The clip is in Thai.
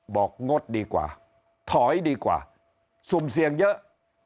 งดดีกว่าถอยดีกว่าสุ่มเสี่ยงเยอะ